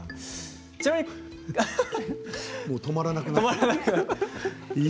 もう止まらなくなっている。